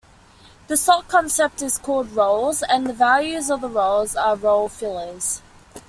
The slot-concept is called roles and the values of the roles are role-fillers.